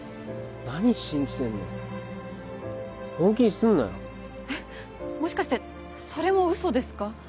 何信じてんの本気にすんなよえっもしかしてそれも嘘ですか？